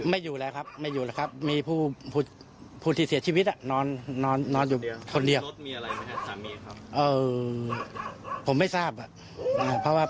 เมาครับค่อนข้างที่จะเมาครับอ่ะ